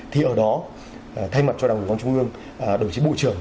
thì ở đó thay mặt cho đảng ủy công an trung ương đồng chí bộ trưởng